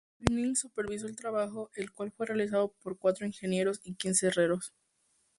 Koenig supervisó el trabajo, el cual fue realizado por cuatro ingenieros y quince herreros.